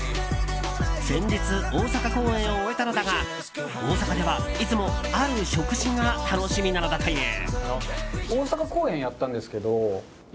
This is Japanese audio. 先日、大阪公演を終えたのだが大阪ではいつもある食事が楽しみなのだという。